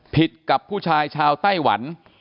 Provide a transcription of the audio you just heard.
กับผู้ชายชาวไต้หวัน